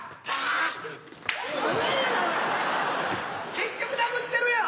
結局殴ってるやん。